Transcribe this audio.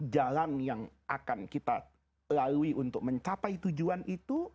jalan yang akan kita lalui untuk mencapai tujuan itu